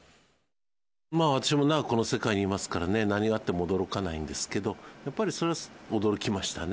私も長くこの世界にいますからね、何があっても驚かないんですけど、やっぱりそれは驚きましたね。